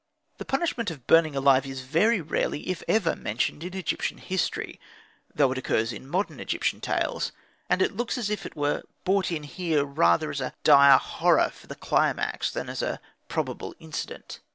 The punishment of burning alive is very rarely, if ever, mentioned in Egyptian history, though it occurs in modern Egyptian tales: and it looks as if it were brought in here rather as a dire horror for the climax than as a probable incident.